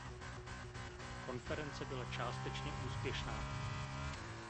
Konference byla částečně úspěšná.